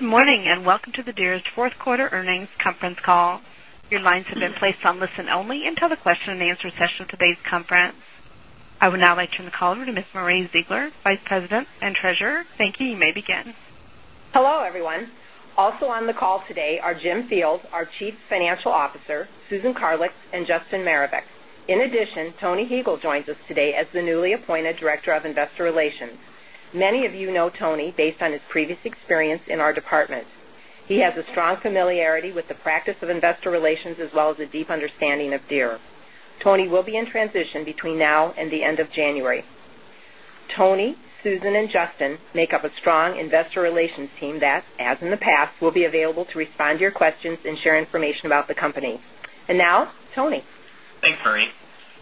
Good morning and welcome to the Dearest 4th Quarter Earnings Conference Call. Your lines have been placed on listen only until the question and answer session of today's conference. I would now like to turn the call over to Ms. Marie Zeigler, Vice President and Treasurer. Thank you. You may begin. Hello, everyone. Also on the call today are Jim Field, our Chief Financial Officer Susan Carlix and Justin Marovec. In addition, Tony Hiegl joins us today as the newly appointed Director of Investor Relations. Many of you know Tony based on his previous experience in our department. He has a strong familiarity with the practice of Investor Relations as well as a deep understanding a deep understanding of Deere. Tony will be in transition between now and the end of January. Tony, Susan and Justin make up a strong Marie.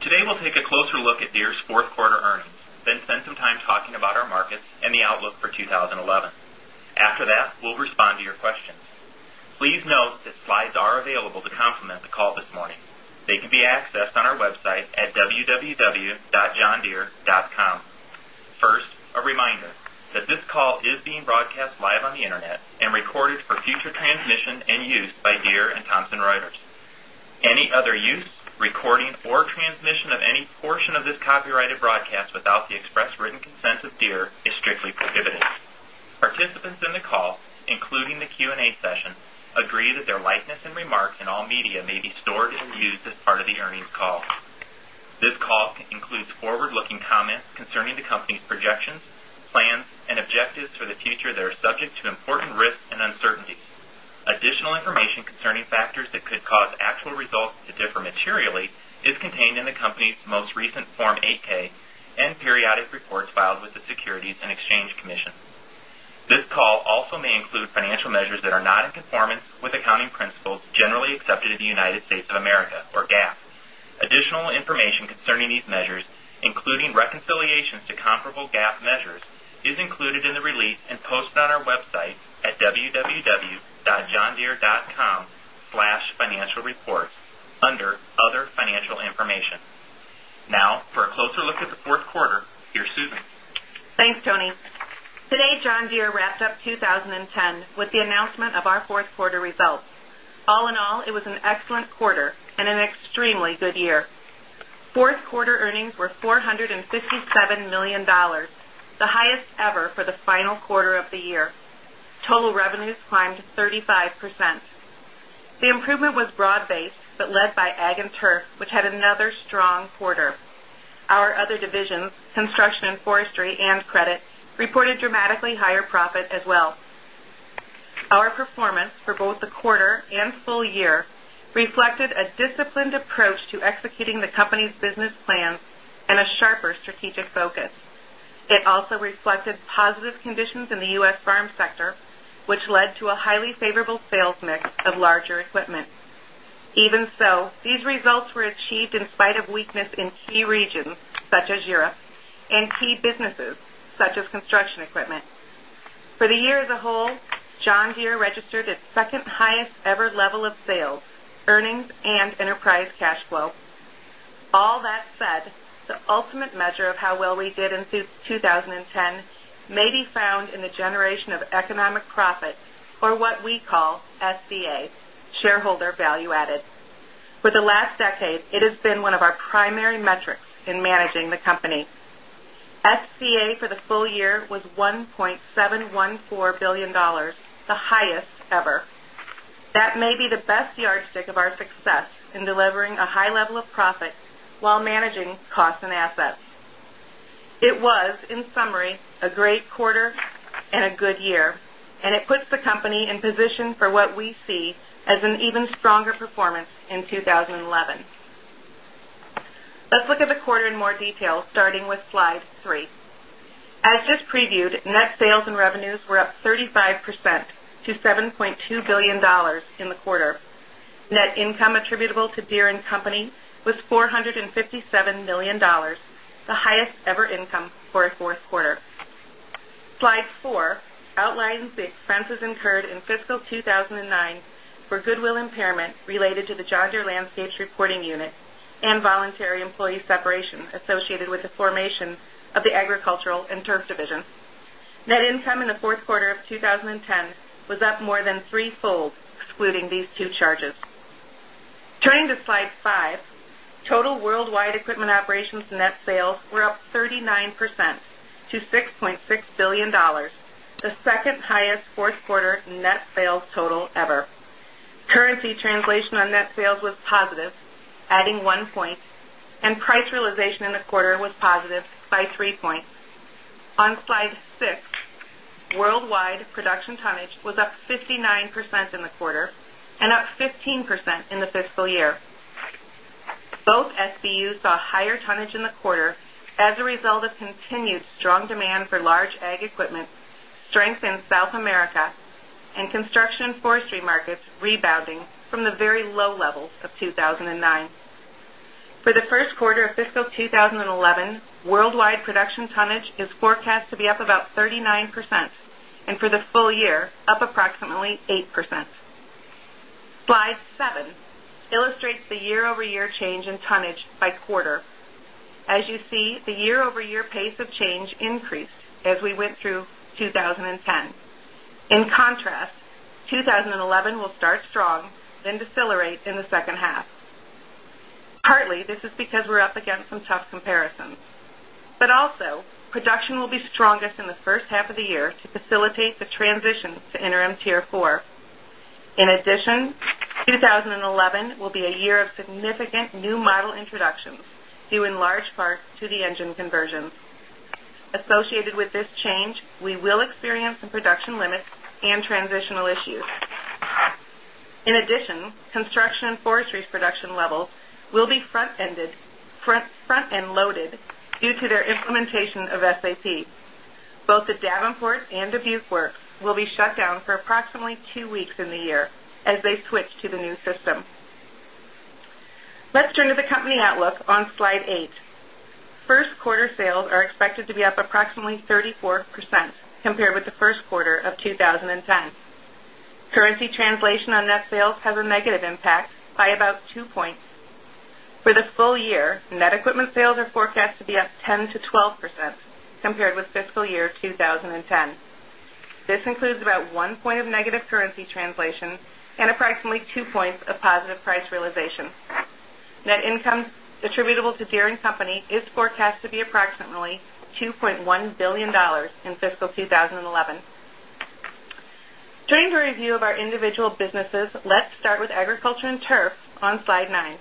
Today, we'll take a closer look at Deere's 4th quarter earnings, then spend some time talking about our markets and the outlook for 2011. After that, we'll respond to your questions. Please note that slides are available to complement the call this morning. They can be accessed on our website at www.johndeere dot com. First, a reminder that this call is being broadcast live on the Internet and recorded for future transmission and use by Deere and Thomson Reuters. Any other use, recording or transmission of any portion of this copyrighted broadcast without the express written consent of Deere is prohibited. Participants in the call, including the Q and A session, agree that their likeness and remarks in all media may be stored and used as part of the earnings call. This call includes forward looking comments concerning the company's projections, plans and objectives for the future that are subject to important risks and uncertainties. Additional information concerning factors that could cause actual results to differ materially is contained in the company's most recent Form 8 ks and periodic reports filed with the Securities and Exchange Commission. This call also may include financial measures that are not in conformance with accounting principles generally accepted in the United States of America or GAAP. Additional information concerning these measures, including reconciliations to comparable GAAP measures, is included in the release and posted on our website at www dotjohndeere.com/financialreports under other financial information. Now for a closer look at the Q4, here Susan. Thanks, Tony. Today, John Deere wrapped up 2010 with the announcement of our 4th quarter results. All in all, it was an excellent quarter and an extremely good year. 4th quarter earnings were $457,000,000 the highest ever for the strong quarter. Our other divisions, construction and forestry and credit reported dramatically higher profit as well. Our performance for both the quarter and full year reflected a disciplined approach to executing the company's business plans and a sharper strategic focus. It also reflected positive conditions in the U. S. Farm sector, which in whole, John Deere registered its 2nd highest ever level of sales, earnings and enterprise cash flow. All that said, the ultimate measure of how well we did in 2010 may be found in the generation of economic profit or what we call SBA, shareholder value added. For the last decade, it has been one of our primary metrics in managing the may be the best yardstick of our success in delivering a high level of profit while managing costs and assets. It was in summary a great a 5 percent to $7,200,000,000 in the quarter. Net income attributable to Deere and Company was 4.50 $7,000,000 the highest ever income for the 4th quarter. Slide 4 outlines the expenses incurred in fiscal 2,009 for goodwill impairment related to the Jodger Landscapes reporting unit and voluntary employee separation associated with the formation of the Agricultural and Turf Division. Net income in the Q4 of 2010 was up more than 3 folds excluding these two charges. Turning to Slide 5, total worldwide equipment operations net sales were up 39% to $6,600,000,000 the 2nd highest 4th quarter net sales total ever. Currency translation on net sales was positive adding 1 point and price realization in the quarter was positive by 3 points. On Slide 6, worldwide higher tonnage in the quarter as a result of continued strong demand for large ag equipment, strength in South America and construction forestry markets rebounding from the very low levels of 2,009. For the Q1 of fiscal year increased as we went through 2010. In contrast, 2011 will start strong half of the year to facilitate the transition to interim Tier 4. In addition, 2011 will be a year of significant new model introductions due in large part to the engine conversions. Associated with this change, we will experience some production limits and transitional issues. In addition, construction and forestry's production levels will be front ended front end loaded due to their implementation of SAP. Both the Davenport and the Dubuque Works will be shut down for approximately 2 weeks in the year as they switch to the new system. Let's turn to the company outlook on slide 8. 1st quarter sales are expected to be up approximately 34% compared with the Q1 of 2010. Currency translation on net sales has a negative impact by about 2 points. For the full year, net equipment sales are forecast to be up 10% to 12% compared with fiscal year 2010. This includes about 1 point of of negative currency translation and approximately 2 points of positive price realization. Net income attributable to Deere and Company is forecast to be approximately $2,100,000,000 in fiscal 2011. Turning to a review of individual businesses, let's start with Agriculture and Turf on Slide 9.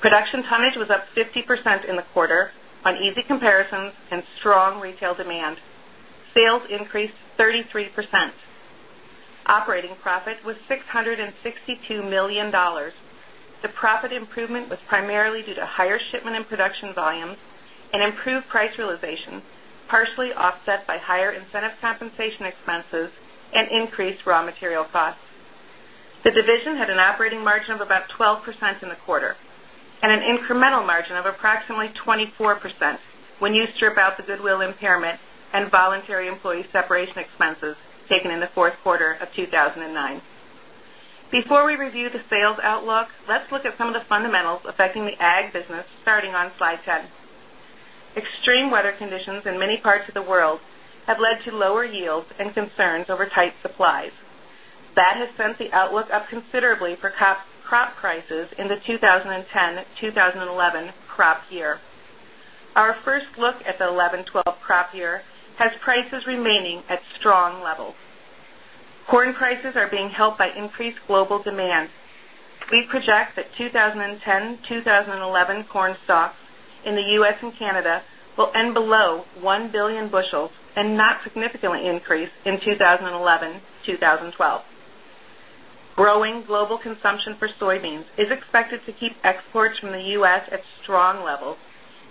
Production tonnage was up 50% in the quarter on easy comparisons and strong retail demand. Sales increased 33%. Operating profit was $662,000,000 The profit improvement was primarily due to higher shipment and production volumes and improved price realization, percent in the quarter and an incremental margin of approximately 24% when you strip out the goodwill impairment and voluntary employee separation expenses taken in the Q4 of 2009. Before we review the sales outlook, let's look at some of the fundamentals affecting the Ag business starting on Slide 10. Extreme weather conditions in many parts of the world have led to lower yields and concerns over tight supplies. That has sent the outlook up considerably for crop prices in the 20 ten-twenty eleven crop year. Our first look at the 'eleven-twelve crop year has prices remaining at strong levels. Corn prices are being helped by increased global demand. We project that 20 10, 2011 corn stocks in the U. S. And Canada will end below 1,000,000,000 bushels and not significantly increase in 2011, 2012. Growing global consumption for soybeans is expected to keep exports from the U. S. At strong levels,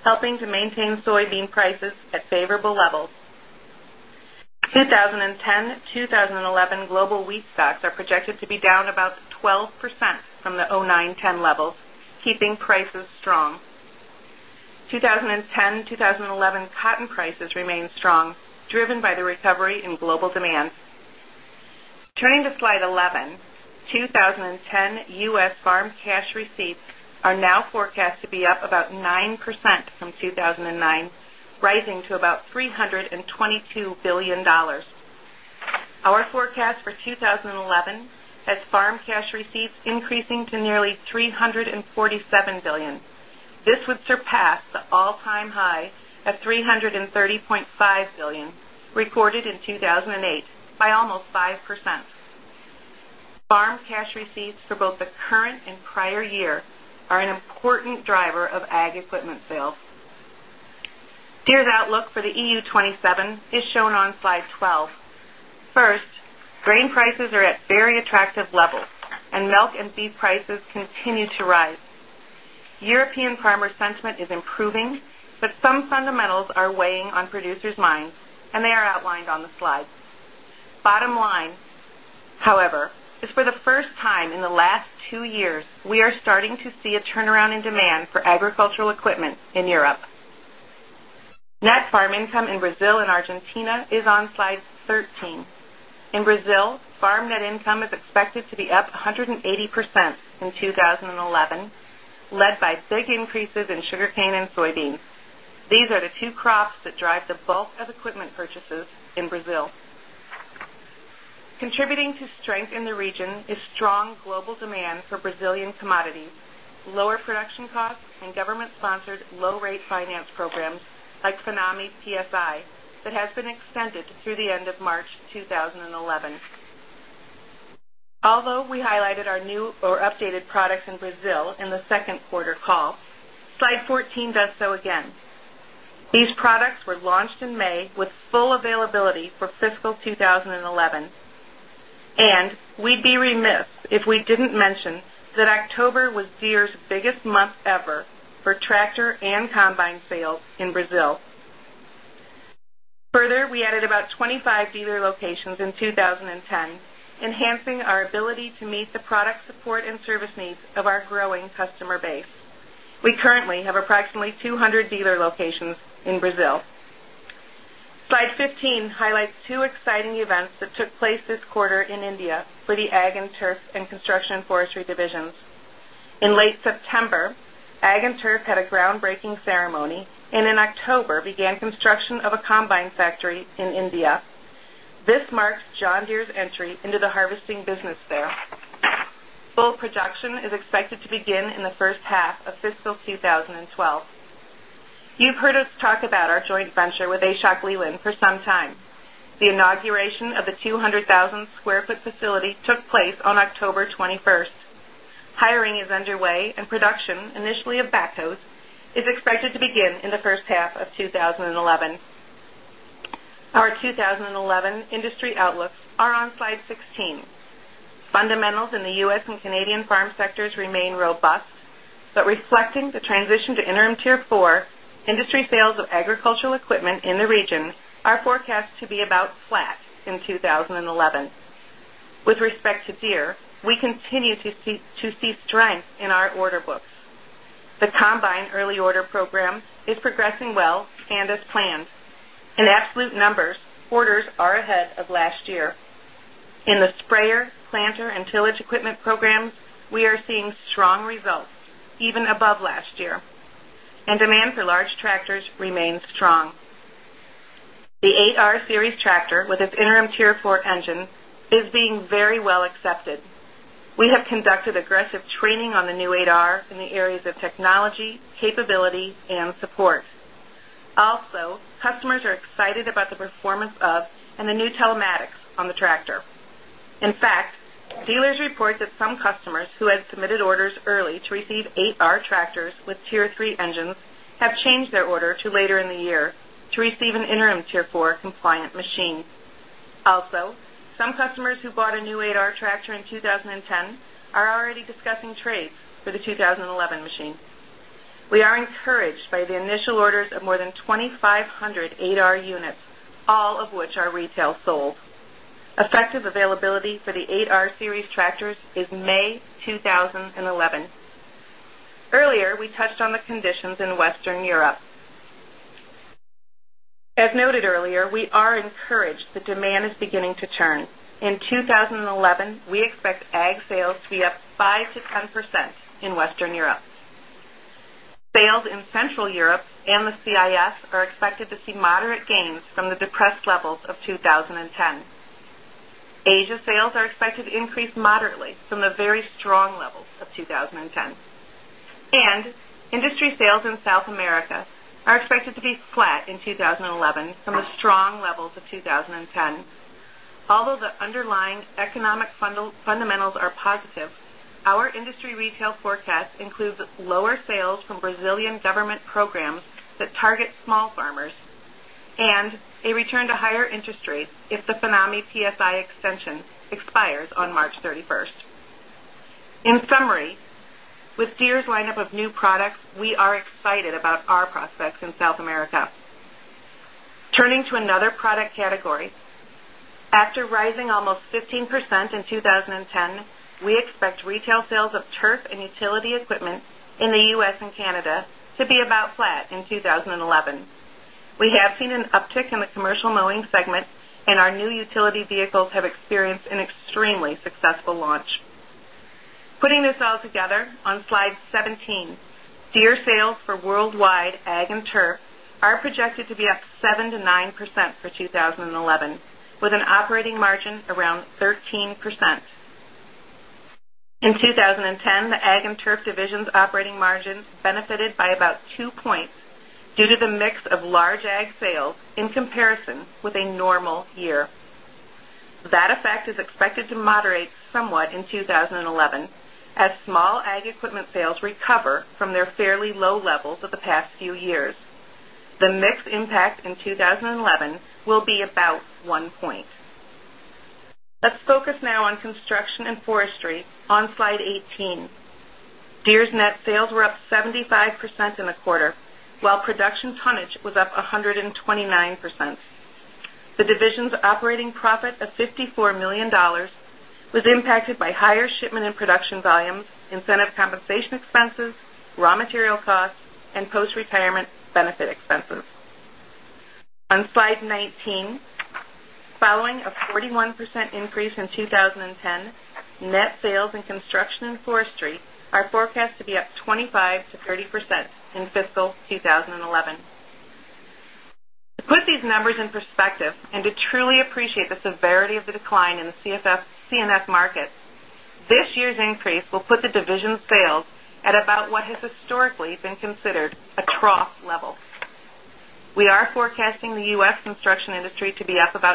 helping to maintain soybean prices at favorable levels. 20 ten-twenty eleven global wheat stocks are projected to be down about 12 percent from the 'nine, 'ten levels keeping prices strong. 2010, 2011 cotton prices remained strong driven by the recovery in global demand. Turning to Slide 11, 2010 U. S. Farm cash receipts are now forecast 11 has farm cash receipts increasing to nearly 347,000,000,000. This would surpass the all time high at $330,500,000,000 recorded in 2,008 by almost 5%. Farm cash receipts both the current and prior year are an important driver of ag equipment sales. Deere's outlook for the EU 27 is shown on Slide 12. 1st, grain prices are at very attractive levels and milk and beef prices continue to rise. European farmer sentiment is improving, but some fundamentals are weighing on producers' minds and they are outlined on the slide. Bottom line, however, is for the first time in the last 2 years, we are starting to see a turnaround in demand for agricultural equipment in Europe. Net farm income in Brazil and Argentina is on Slide 13. In Brazil, farm net income is expected to be up 180% in 2011 led by big increases in sugarcane and soybeans. These are the 2 crops that drive the bulk of equipment purchases in Brazil. Contributing to strength in the region is strong global demand for Brazilian commodities, lower production and government sponsored low rate finance programs like tsunami PSI that has been extended through the end of March 2011. Although we highlighted our new or updated products in Brazil in the 2nd quarter call, Slide 14 does so again. These products were launched in May with full availability for fiscal 2011. And we'd be remiss if we didn't mention that October was Deere's biggest month ever for tractor and combine sales in Brazil. Further, we added about 25 dealer locations in 2010, enhancing our ability to meet product support and service needs of our growing customer base. We currently have approximately 200 dealer locations in Brazil. Slide 15 highlights 2 exciting events that took place this quarter in India with the Ag and Turf and Construction Forestry divisions. In late September, Ag and Turf had a groundbreaking ceremony and in October began construction of a combine factory in India. This marks John Deere's entry into the harvesting business there. Full production is expected to begin in the first half of fiscal twenty twelve. You've heard us talk about our joint venture with A. Schock Leland for some time. The inauguration of the 200,000 square foot facility took place on October 20 1. Hiring is underway and production initially of backhoes is expected to begin in the first half of twenty eleven. Our 2011 industry outlooks are on Slide 16. Fundamentals in the U. S. And Canadian farm sectors remain robust, but reflecting the respect to Deere, we continue to see strength in our order books. The combine early order program is progressing well and as planned. In absolute numbers, orders are ahead of last year. In the sprayer, planter and tillage equipment programs, we are seeing strong results even above last year and demand for large tractors remains strong. With its interim Tier 4 engine is being very well accepted. We have conducted aggressive training on the new radar in the areas of technology, capability and support. Also, customers are excited about performance of and the new telematics on the tractor. In fact, dealers report that some customers who had submitted orders early to receive 8R tractors with Tier 3 engines have changed their order to later in the year to receive an interim Tier 4 compliant machine. Also, some customers who bought a new 8R tractor in 2010 are already discussing trades for the 2011 machine. We are encouraged by the initial orders of more than 2,500 8R units, all of which are retail sold. Effective availability for the 8R Series tractors is May 2011. Earlier, we touched on the conditions in Western Europe. As noted earlier, we are encouraged that demand is beginning to turn. In 20 11, we expect ag sales to be up 5% to 10% in Western Europe. Sales in Central Europe and the CIF are expected to see moderate gains from the depressed levels of 20 10. Asia sales are expected to increase moderately from the the very strong levels of 2010. And industry sales in South America are expected to be flat in 2011 from the strong levels of 2010. Although the underlying economic fundamentals are positive, our industry retail forecast includes lower sales from Brazilian government programs that target small farmers and a return to higher interest rates if the tsunami TSI extension expires on March 31. In summary, with Deere's lineup of new products, we excited about our prospects in South America. Turning to another product category, after rising almost 15% in 2010, we expect retail sales of turf and utility equipment in the U. S. And Canada to be about flat in 20 11. We have seen an uptick in the commercial mowing segment and our new utility vehicles have experienced an extremely successful launch. Putting this all together on Slide 17, Deere sales for worldwide ag and turf are projected to be up 7% to 10, the ag and turf division's operating margins benefited by about 2 points due to the mix of large 2011 as small ag equipment sales recover from their fairly low levels of the past few years. The mix impact in 2011 will be about one point. Let's focus now on Construction and Forestry on Slide 18. Deere's net sales were up 75 percent in the quarter, while production tonnage was up 129%. The division's operating profit of 54,000,000 dollars was impacted by higher shipment and production volumes, incentive compensation expenses, raw material costs and postretirement benefit expenses. On Slide 19, following a 41% increase in 20 10, net sales in construction and forestry are forecast to be up 25% to 30% in fiscal 2011. To put these numbers in perspective and to truly appreciate the severity of the decline in the CFS, CNF market, this year's about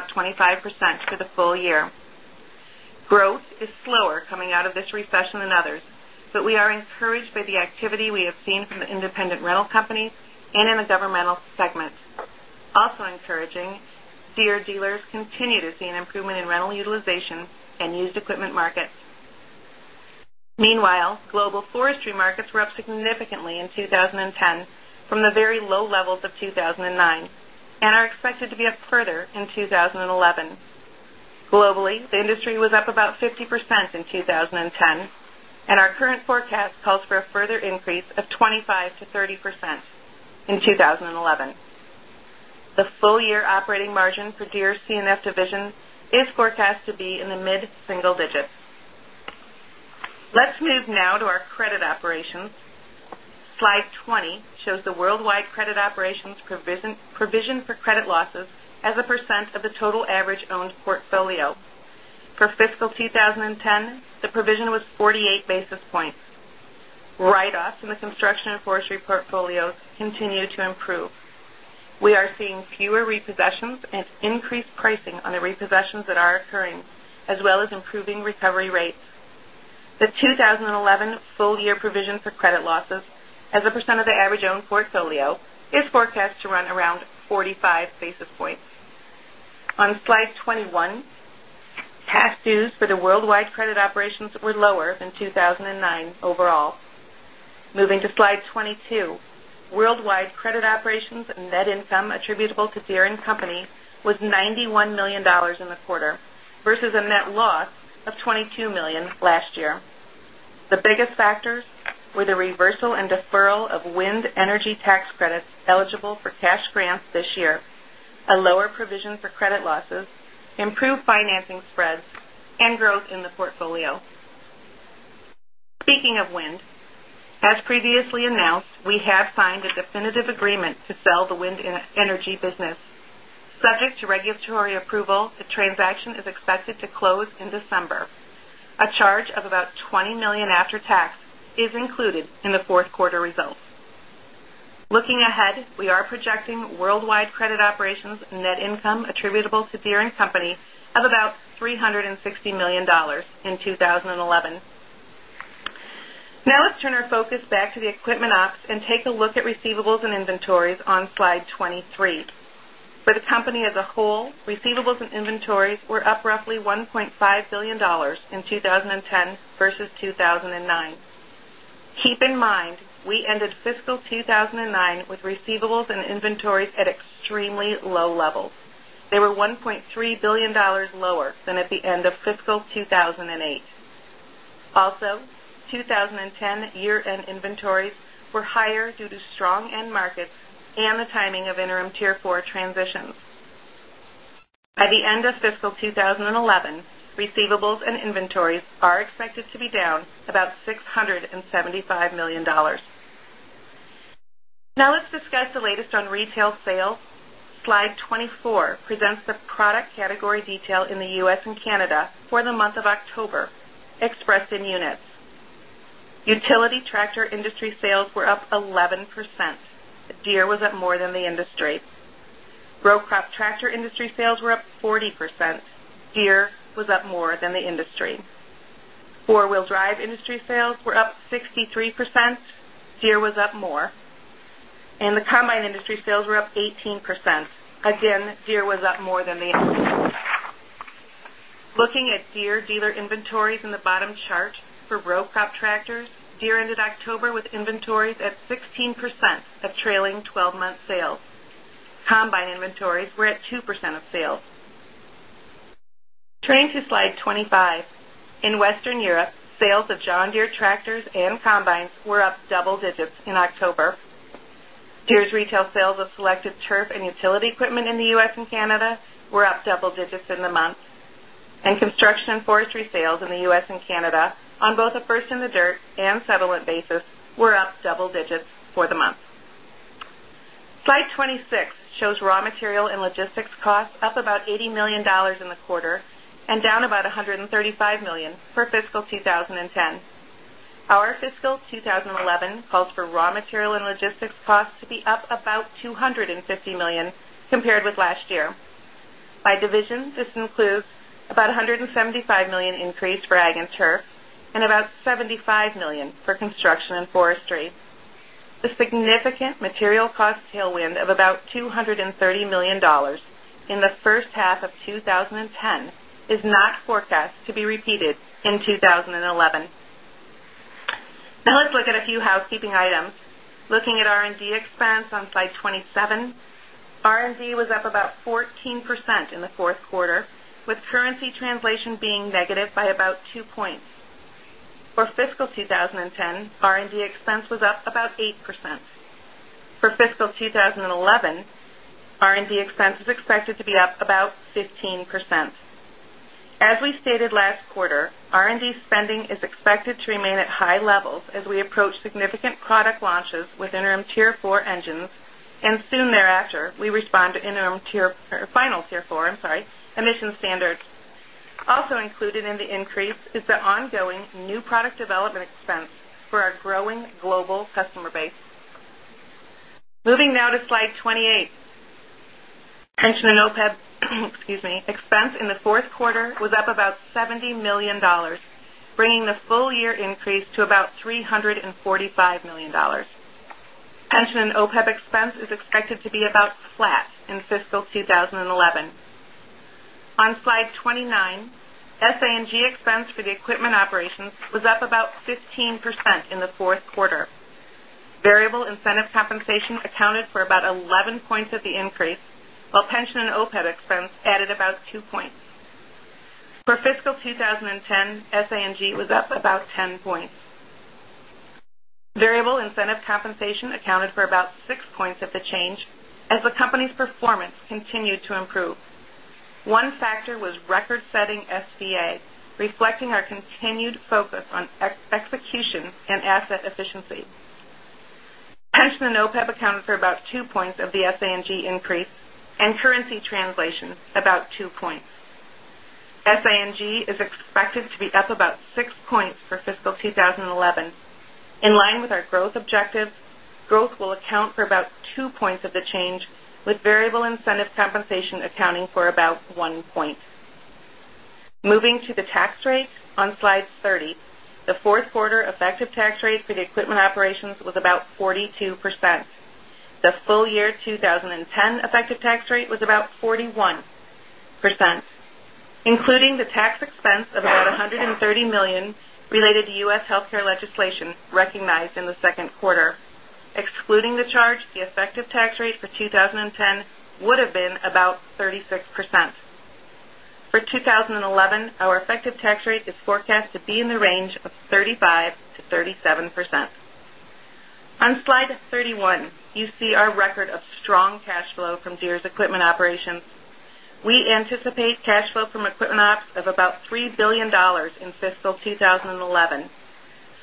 25% for the full year. Growth is slower coming out of this recession than others, but we are encouraged by to see an improvement in rental utilization and used equipment markets. Meanwhile, global forestry markets were up significantly in 20 10 from the very low levels of 2,009 and are expected to be up further in 2011. Globally, the industry was up about 50% in 2010 and our current forecast calls for a further increase of 25% to 30% in 20 11. The full year operating margin for Deere CNF division is forecast to be in the mid single digits. Move now to our credit operations. Slide 20 shows the worldwide credit operations provision for credit losses as a percent of the total average owned portfolio. For fiscal 2010, the provision was 48 basis points. Write offs in the construction and forestry portfolios continue to improve. We are seeing fewer repossessions and increased pricing on the repossessions that are occurring as well as improving recovery rates. The 2011 full year provision for credit losses as a percent of the average owned portfolio is forecast to run around 45 basis points. On Slide 21, cash dues for the worldwide credit operations were lower than 2,009 overall. Moving to Slide 22, worldwide credit operations and net income attributable to Thierry and Company was $91,000,000 in the quarter versus a net loss of $22,000,000 last year. The losses, improved financing spreads and growth in the portfolio. Speaking of wind, as previously announced, we have signed a definitive agreement to sell the wind energy business. Regulatory approval, the transaction is expected to close in December. A charge of about $20,000,000 after tax is included in the 4th quarter results. Looking ahead, we are projecting worldwide credit operations net income attributable to Deere and Company of about $360,000,000 in 2011. Now let's turn our focus back to the equipment ops and take a look at receivables and inventories on Slide 23. For the company as a whole, receivables and inventories were up roughly $1,500,000,000 in 20.10 versus 2,009. Keep in mind, we ended fiscal 2,000 and 9 with receivables and inventories at extremely low levels. They were $1,300,000,000 lower than at the end of fiscal 2,008. Also, 2010 year end inventories were higher due to strong end markets and the timing of interim Tier 4 transitions. By the end of fiscal 2011, receivables and inventories are expected to be down about $675,000,000 Now let's discuss the latest on retail sales. Slide 24 the product category detail in the U. S. And Canada for the month of October expressed in units. Utility tractor industry industry were up 18%. Again, Deere was up more than the end of the year. Looking at Deere dealer inventories in the bottom chart for row prop tractors, Deere ended October with inventories at 16% of trailing 12 month sales. Combine inventories were at 2% of sales. Turning to Slide 25, in Western Europe sales of John Deere tractors and combines were up double digits in October. Deere's retail sales of selected turf and utility equipment in the U. S. And Canada were up double digits in the month. And construction and forestry sales in the US and Canada on both the first in the dirt and settlement basis were up double digits for the month. Slide 20 6 shows raw material and logistics costs up about $80,000,000 in the quarter and down about $135,000,000 for fiscal 20 Our fiscal 2011 calls for raw material and logistics costs to be up about $250,000,000 compared with last year. By division, this includes about $175,000,000 increase for ag and turf and about $75,000,000 for construction and forestry. The significant material cost tailwind of about $230,000,000 in the first half of twenty ten is not forecast to be repeated in 14% in the 4th quarter with currency translation being negative by about 2 points. For fiscal 2010, R and D expense was up about 8%. For fiscal 2011, R and D expense is expected to be up about 15%. As we stated last quarter, R and D spending is expected to remain at high levels as we approach significant product launches with interim Tier 4 engines and soon thereafter we respond to interim tier final Tier 4 emission standards. Also included in the increase is the ongoing new product development expense for our growing global customer base. Moving now to Slide 28. Pension and OPEB expense in the 4th quarter was up about $70,000,000 bringing the full year increase to about $345,000,000 and OPEB expense is expected to be about flat in fiscal 2011. On Slide 29, SA and G expense for the equipment operations was up about 15% in the 4th quarter. Variable incentive compensation accounted for about 11 points of the increase, while pension and OPAD expense added about 2 points. For fiscal 2010, SING was 10, SING was up about 10 points. Variable incentive compensation accounted for about 6 points of the change as the company's performance continued to improve. One factor was record setting SBA, reflecting our continued focus on execution and asset efficiency. Pension and OPEB accounted for about 2 points of the SING increase and currency translation about 2 points. SING is expected to be up about 6 points for fiscal 2011. In line with our growth objectives, growth will account for about 2 points of the change with variable incentive compensation accounting for about 1 point. Moving to the tax rate on Slide 30, the 4th quarter effective tax rate for the equipment operations was about 42%. The full year twenty 10 effective tax rate was about 41%, including the tax expense of about 130,000,000 dollars related to U. S. Healthcare legislation recognized in the Q2. Excluding the charge, the effective tax rate for 20 10 would have been about 36%. For 2011, our effective tax rate is forecast to be in the range of 35% to 37%. On Slide 31, you see our record of strong cash flow from Deere's equipment operations. We anticipate cash flow from equipment ops of about $3,000,000,000 in fiscal 2011.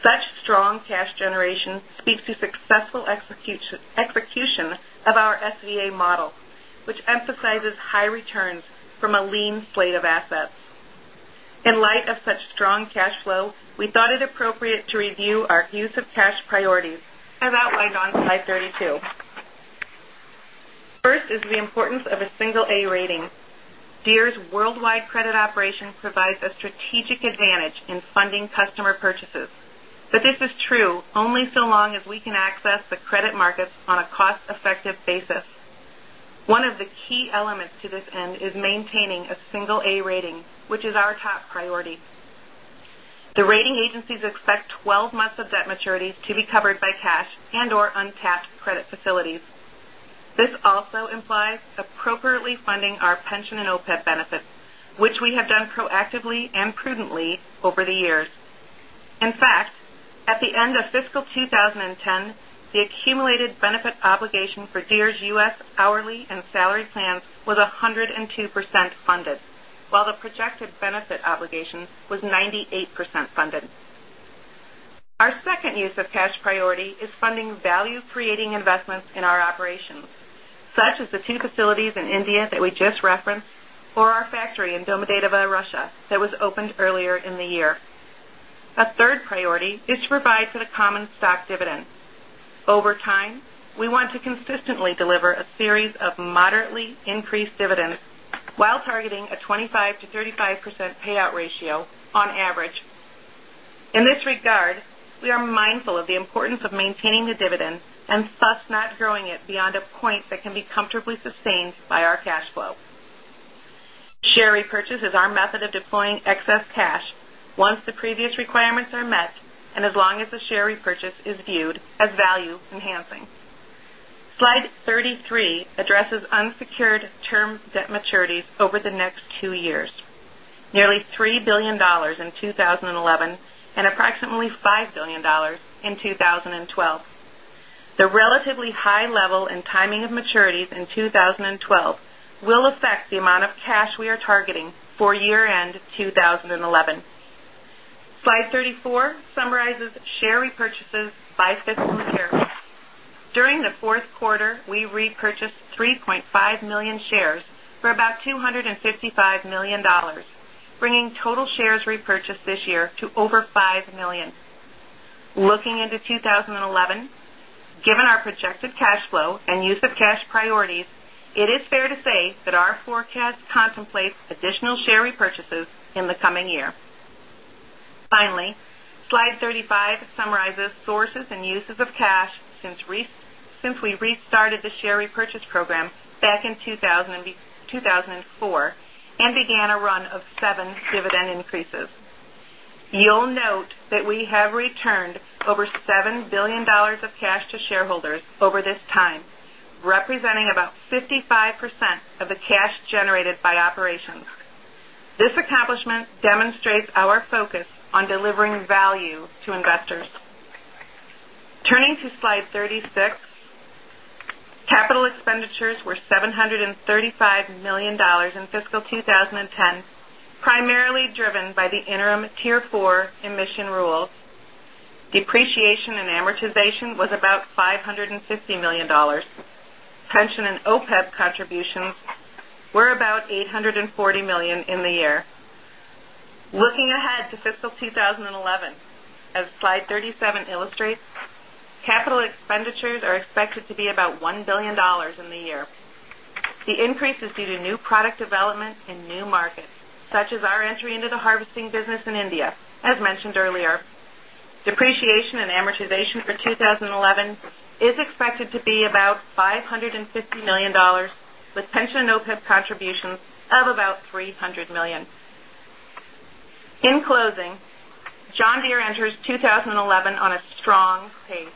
Such strong cash generation speaks to successful execution of our SVA model, emphasizes high returns from a lean slate of assets. In light of such strong cash flow, we thought it appropriate to review our use of cash priorities as outlined on Slide 32. First is the importance of a single A rating. Deere's worldwide credit operation provides a strategic advantage in funding customer purchases, but this is true only so long as we can access credit markets on a cost effective basis. One of the key elements to this end is maintaining a single A rating, which is our top priority. The rating agencies expect 12 months of debt maturities to be covered by cash and or untapped credit facilities. This also implies appropriately funding our pension and OPEB benefits, which we have done proactively and prudently over the years. In fact, at the end of fiscal 20 percent funded. Our second use of cash priority is funding value creating investments in our operations, such as the 2 facilities in India that we just referenced or our factory in Domodedovo, Russia that was opened earlier in the year. Third priority is to provide for the common stock dividend. Over time, we want to consistently deliver a series of moderately increased dividends, while targeting a 25% to 35% payout ratio on average. In this regard, we are mindful of the importance of maintaining the dividend and thus not growing it beyond a point that can be comfortably sustained our cash flow. Share repurchase is our method of deploying excess cash once the previous requirements are met and as long as the share repurchase is viewed as value enhancing. Slide 33 addresses unsecured term debt maturities over the next 2 years, nearly $3,000,000,000 in 20 11 and approximately $5,000,000,000 in 2012. The relatively high level and timing of maturities in 2012 will affect the amount of cash we are targeting for year $5,000,000 Looking into 2011, given our projected cash flow and use of cash priorities, it is fair to say that our forecast contemplates additional share repurchases in the coming year. Finally, Slide 35 summarizes sources and uses of cash since we restarted the share repurchase program back in 2,004 and began a run of 7 dividend increases. You'll note that we have returned over $7,000,000,000 of cash to shareholders over this time, representing about 55 percent of the cash generated by operations. This accomplishment the were about $840,000,000 in the year. Looking ahead to fiscal 20 11, as Slide 37 illustrates, capital expenditures are expected to be about $1,000,000,000 in the year. The increase is due to new product development in new markets such as our entry into the harvesting business in India as mentioned earlier. Depreciation and amortization for 2011 is expected to be about $550,000,000 with pension NOKEP contribution of about $300,000,000 In closing, John Deere enters 2011 on a strong pace.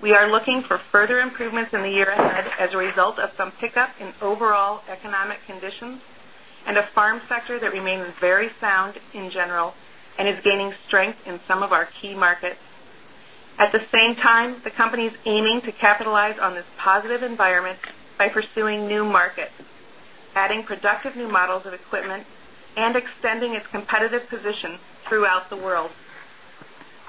We are looking for further improvements in the year ahead as a result of some pickup in overall economic conditions and a farm sector that remains very sound in general and is gaining strength in some of our key markets. At the same time, the company is aiming to capitalize on this positive environment by pursuing new markets, adding productive new models of equipment and extending its competitive position throughout the world.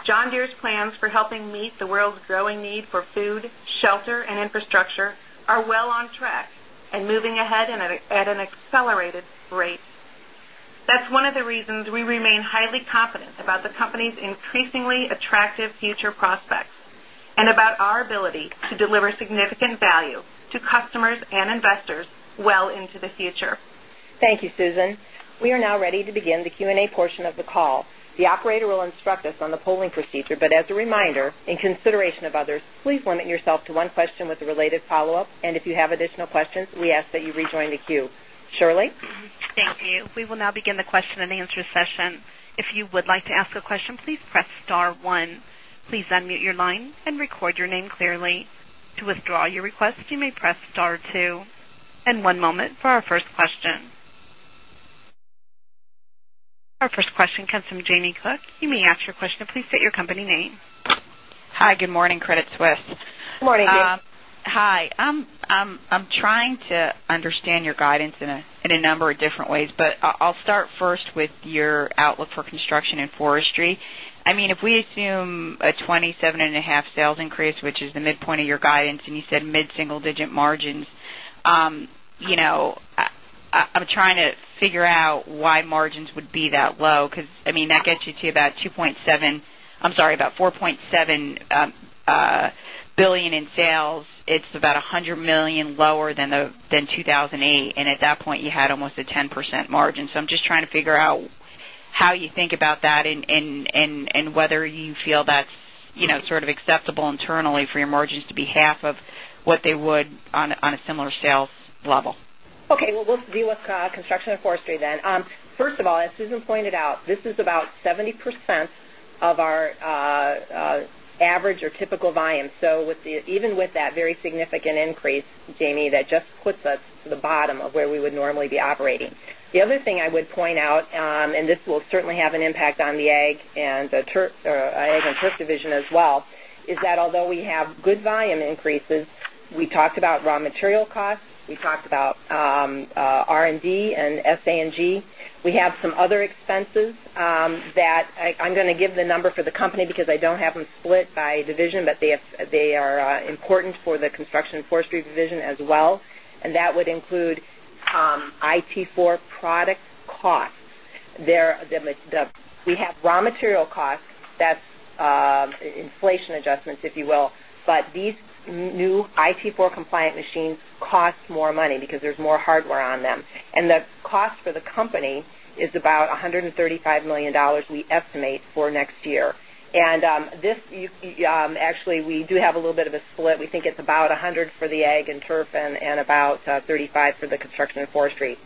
John Deere's plans for helping meet the world's growing need for food, shelter and infrastructure are well on track and moving ahead at an accelerated rate. That's one of the reasons we remain highly confident about the company's increasingly attractive future prospects and about our ability to deliver significant value to customers and investors well into the future. Thank you, Susan. We are now ready to begin the Q and A portion of the call. The operator will instruct us on the polling procedure. But as a reminder, in consideration of others, please limit yourself to one question with a related follow-up. And if you have additional questions, we ask that you rejoin the queue. Shirley? Thank you. We will now begin the question and answer session. Kate. Hi. I'm trying to understand your guidance in a number of different ways, but I'll start first with your outlook for Construction and Forestry. I mean if we assume a 27.5% sales increase which is the midpoint of your guidance and you said mid single digit margins. I'm trying to figure out why margins would be that low, because I mean that gets you to about $2,700,000,000 I'm sorry about $4,700,000,000 in sales. It's about a $100,000,000 lower than 2,008. And at that point, you had almost a 10% margin. So I'm just trying to figure out how you think about that and whether you feel that's sort of acceptable internally for your margins to be half of what they would on a similar sales level? Okay. Deal with Construction and Forestry then. First of all, as Susan pointed out, this is about 70% of our average or typical volume. So even with that very significant increase, Jamie, that just puts us to the bottom of where we would normally be operating. The other thing I would point out, and this will certainly have an impact on the Ag and Turf division as well is that although we have good volume increases, we talked about raw material costs, we talked about R and D and SA and G. We have some other expenses that I'm going to give the number for the company because I don't have them split by division, but they are important for the Construction and Forestry division as well. And that would include IT4 product costs. We have raw material costs that's inflation adjustments, if you will. But these new IT4 compliant machines cost more money, because there's more hardware on them. And the cost for the company is about $135,000,000 we estimate for next year. And this actually we do have a little bit of a split. We think it's about $100,000,000 for the ag and turf and about $35,000,000 for the construction and forestry.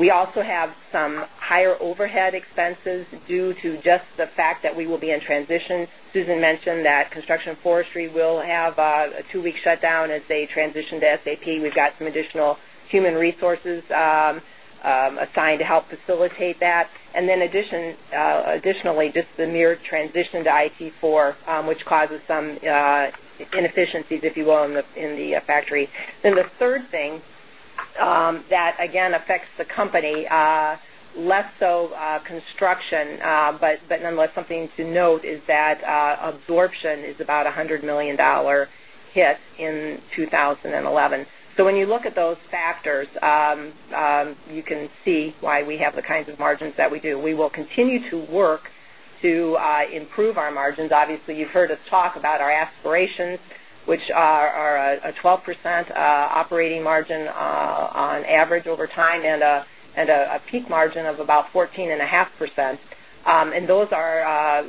We also have some higher overhead expenses due to just the fact that we will be in transition. Susan mentioned that Construction Forestry will have a 2 week shutdown as they transition to SAP. We've got some additional human resources assigned to help facilitate that. And then additionally, just the mere transition to IT4, which causes some inefficiencies, if you will, in the factory. Then the third thing that again affects the company, less so construction, but nonetheless something to note is that absorption is about $100,000,000 hit in 20 11. So when you look at those you can see why we have the kinds of margins that we do. We will continue to work to improve our margins. Obviously, you've heard us talk about our aspirations, which are a 12% operating margin on average over time and a peak margin of about 14.5%. And those are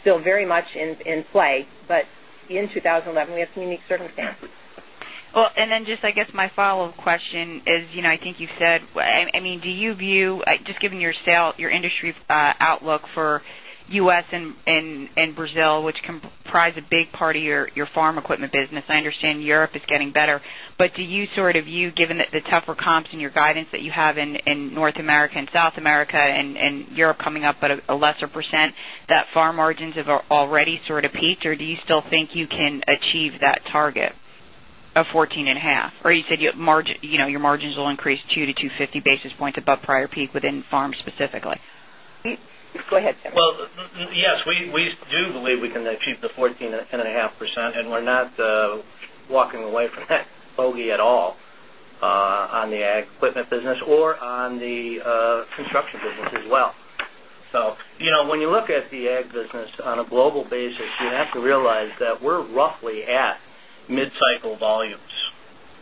still very much in play. But in 20 11, we have some unique circumstances. Well, and then just I guess my follow-up question is, I think you said, I mean, do you view just given your industry outlook for U. S. And Brazil, which comprise a big part of your farm equipment business, I understand Europe is getting better. But do you sort of view given the tougher comps in your guidance that you have in North America and South America and Europe coming up at a lesser percent that far margins have already sort of peaked? Or do you still think you can achieve that target of 14.5? Or percent or you said your margins will increase 2 to 2 50 basis points above prior peak within farms specifically? Go ahead, Sam. Well, yes, we do believe we can achieve the 14.5% and we're not walking away from that bogey at all on the Ag equipment business or on the construction business as well. So, when you look at the Ag business on a global basis, you have to realize that we're roughly at mid cycle volumes.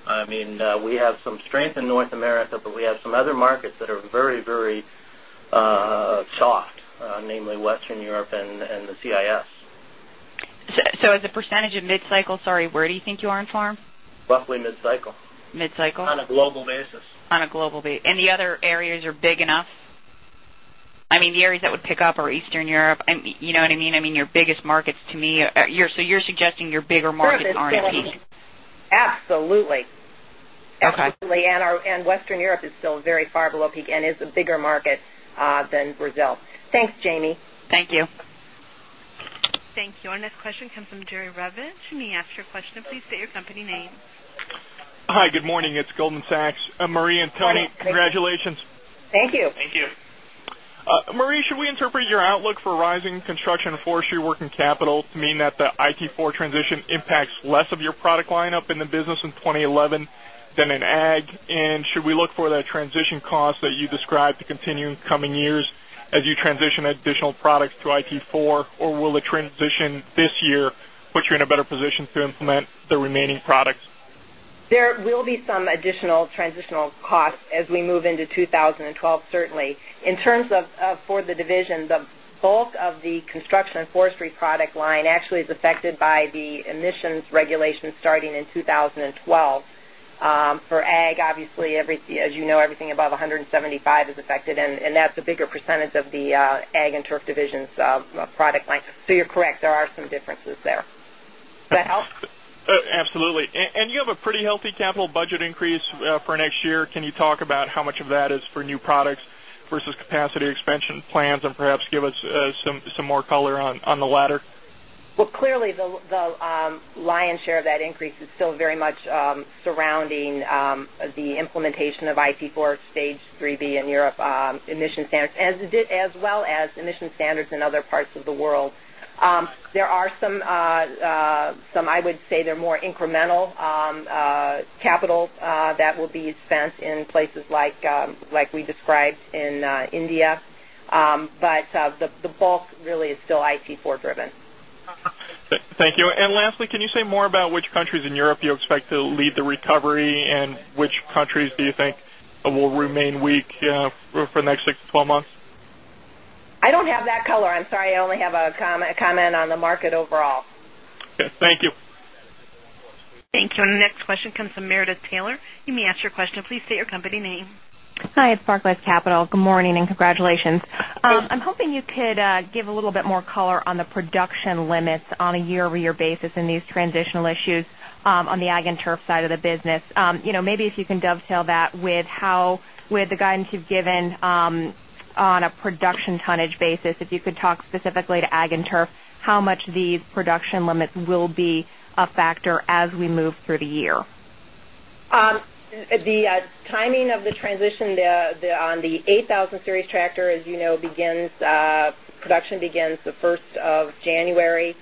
I mean, we have some strength in North America, but we have some other markets that are very, very soft, namely Western Europe and the CIS. So as a percentage of mid cycle, sorry, where do you think you are in farm? Roughly mid cycle. Mid cycle? On a global basis. On a global basis. And the other areas are big enough? I mean, areas that would pick up are Eastern Europe. You know what I mean? I mean, your biggest markets to me so you're suggesting your bigger markets are in peak? Absolutely. And Western Europe is still very far below peak and is a bigger market than Brazil. Thanks, Jamie. Thank you. Thank you. Our next question comes from Jerry Revich. You may ask your question. Please state your company name. Hi, good morning. It's Goldman Sachs. Marie and Tony, congratulations. Thank you. Thank you. Marie, should we interpret your outlook for rising construction and forestry working capital to the coming years as you transition additional that you described to continue in coming years as you transition additional products to IP4 or will it transition this year puts you in a better position to implement the remaining 2012 certainly. In terms of for the division, the bulk of the Construction and Forestry product line actually is affected by the emissions regulation starting in 20 12. For ag, obviously, as you know, everything above 175 is affected and that's a bigger percentage of the Ag and Turf divisions product line. So you're correct, there are some differences there. Does that help? Absolutely. And you have a pretty healthy capital budget increase for next year. Can you talk about how much of that is for new products versus capacity expansion plans and perhaps give us some more color on the latter? Well, clearly, the lion's share of that increase is still very much surrounding the implementation of IT4 Stage 3B in Europe emission standards as well as emission standards in other parts of the world. There are some I would say they're more incremental capital that will be spent in places like we described in India. But the bulk really is still IT driven. Thank you. And lastly, can you say more about which countries in Europe you expect to lead the recovery and which countries do you think will remain weak for the next 6 to 12 months? I don't have that color. I'm sorry, I only have a comment on the market overall. Okay. Thank you. Thank you. And the next question comes from Meredith Taylor. You may ask your question. Please your company name. Hi, it's Barclays Capital. Good morning and congratulations. I'm hoping you could give a little bit more color on the production limits on a year over year basis in these transitional issues on the ag and turf side of the business. Maybe if you can dovetail that with how with the guidance you've given on a production tonnage basis, if you could talk specifically to ag and turf, how much these production limits will be a factor as we move through the year? The timing of the transition on the 8,000 Series tractor, as you know, begins production begins the 1st January.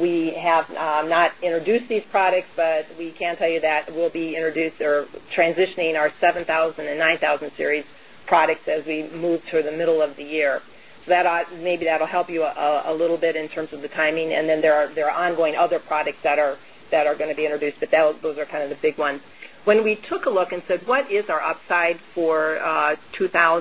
We have not introduced these products, but we can tell you that we'll be introducing or transitioning our 7,009 1,000 series products as we move through the middle of the year. So that maybe that will help you a little bit in terms of the timing. And then there are ongoing other products that are going to be introduced, but those are kind of the big ones. When we took a look and said what is our upside for production.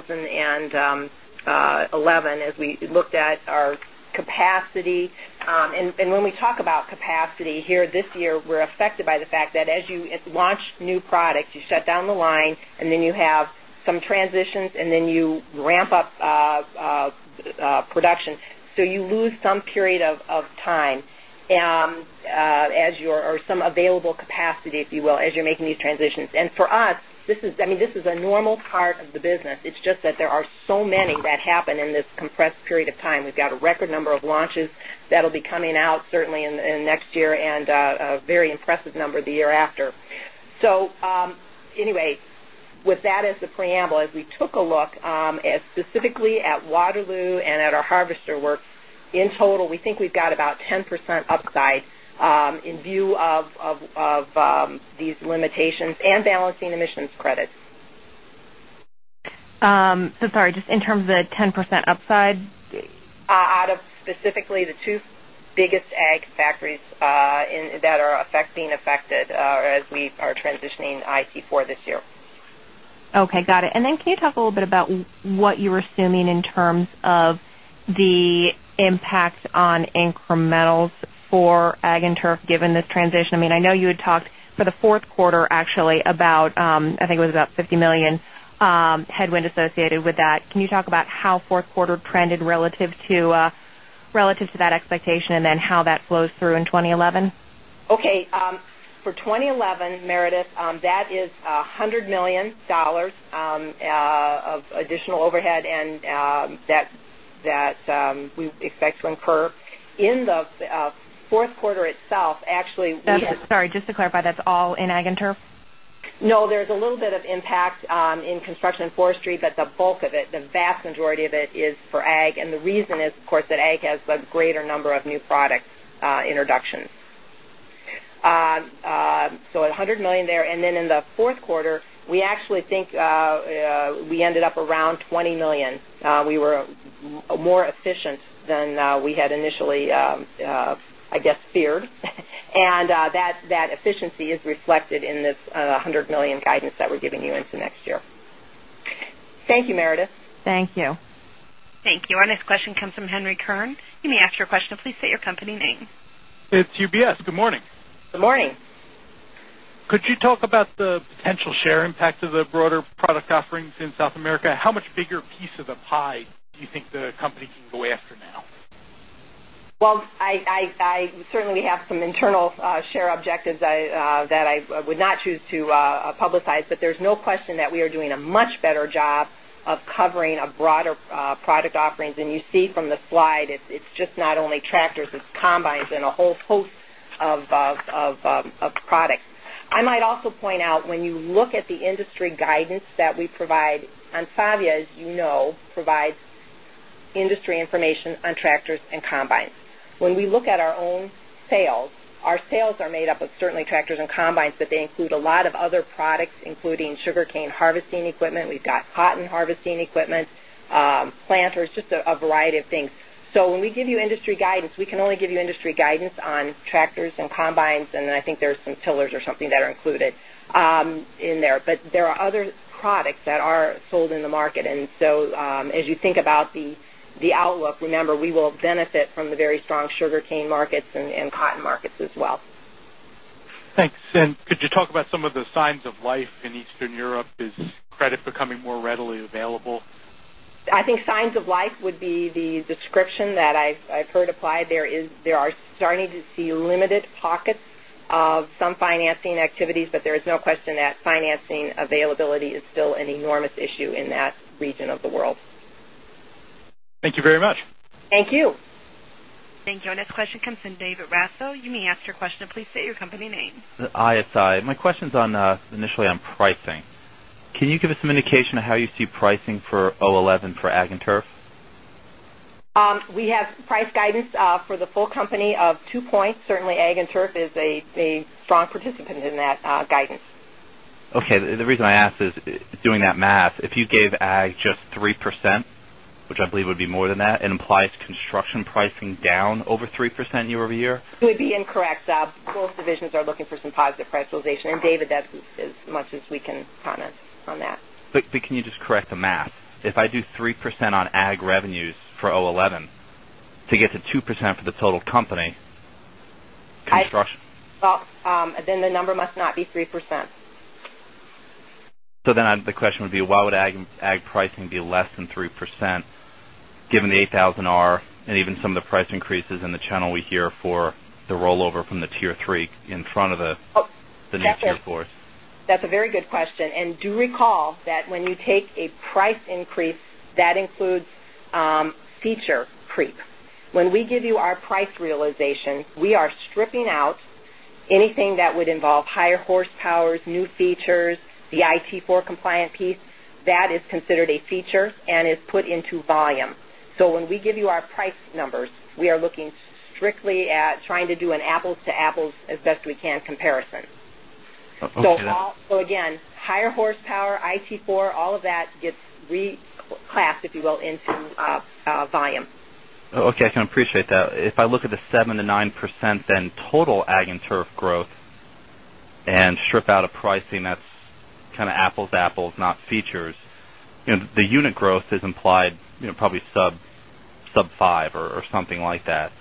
So you lose some period of production. So you lose some period of time as you're or some available capacity, if you will, as you're making these transitions. And for us, this is I mean, this is a normal part of the business. It's just that there are so many that happen in this compressed period of time. We've a record number of launches that will be coming out certainly in next year and a very impressive number the year after. So anyway, with that as a preamble, as we took a look at specifically at Waterloo and at our harvester works, in total, we think we've got about 10% upside view of these limitations and balancing emissions credits. So sorry, just in terms of 10% upside? Out of specifically the 2 biggest ag factories that are affecting affected as we are transitioning IC4 this year. Okay, got it. And then can you talk a little bit about what you're assuming in terms of the impact on incrementals for ag and turf given this transition? I mean, I know you had talked for the Q4 actually about, I think it was about $50,000,000 headwind associated with that. Can you talk about how 4th quarter trended relative to that expectation and then how that flows through in 2011? Okay. For 2011, Meredith, that is 100,000,000 dollars of additional overhead and that we expect to incur. In the Q4 itself actually Sorry, just to clarify that's all in ag and turf? No. There's a little bit of impact in construction and forestry, but the bulk of it, the vast majority of it is for ag. And the reason is, of course, that ag has a greater number of new product introductions. So $100,000,000 there. And then in the Q4, we actually think we ended up around $20,000,000 We were more efficient than we had initially, I guess, feared. And that efficiency is reflected in this $100,000,000 guidance that we're giving you into next year. Thank you, Meredith. Thank you. Thank you. Our next question comes from Henry Kern. Please state your company name. It's UBS. Good morning. Good morning. Could you talk about the potential share impact of the broader product offerings in South America? How much bigger piece of the pie do you think the company can go after now? Well, I certainly have some internal share objectives that I would not choose to publicize, but there's no question that we are doing a much better job of covering a broader product offerings. And you see from the slide, it's just not only tractors, it's combines and a whole host of products. I might also point out when you look at the industry guidance that we provide and Savia, as you know, provides industry information on tractors and combines. When we look at our own sales, our sales are made up of certainly tractors and combines, but they include a lot of other products, including sugarcane planters, just a variety of things. So when we give you industry guidance, we can only give you industry guidance on tractors and pillars or something that are included in there. But there are other products that are sold in the market. And so as you think about the outlook, remember, we will benefit from the very strong sugarcane markets and cotton markets as well. Thanks. And could you talk about some of the signs of life in Eastern Europe? Is credit becoming more readily available? I think signs of life would be the description that I've heard applied. There is they are starting to see limited pockets of some financing activities, availability is still an enormous issue in that region of the world. Thank you very much. Thank you. Thank you. Our next question comes from David Raso. You may ask your question. Please state your company name. Hi, it's Sai. My question is on initially on pricing. Can you give us some indication of how you see pricing for 2011 for ag and turf? We have price guidance for the full company of 2 points. Certainly, Ag and Turf is a strong participant in that guidance. Okay. The reason I ask is doing that math, if you gave ag just 3%, which I believe would be more than that, it implies construction pricing down over 3% year over year? It would be incorrect. Both divisions are looking for some positive price realization and David that's as much as we can comment on that. But can you just correct the math? If I do 3% on ag revenues for 2011 to get to 2% for the total company construction? Then the number must not be 3%. So then the question would be why would ag pricing be less than 3% given the 8000R and even some of the price increases in the channel we hear for the rollover from the Tier 3 in front of the new Tier 4s? That's a very good question. And do recall that when you take a price increase that includes feature creep. When we give you our price realization, are stripping out anything that would involve higher horsepowers, new features, the IT4 compliant piece that is considered a feature and is put into volume. So when we give you our price numbers, we are looking strictly at trying to do an apples to apples as best we can comparison. So again, higher horsepower, IT4, all of that gets reclassed, if you will, into volume. Okay. I appreciate that. If I look at the 7% to 9% then total ag and turf growth and strip out of pricing that's kind of apples to apples not features, the unit growth is implied probably sub 5% or something like that?